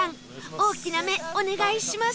大きな目お願いします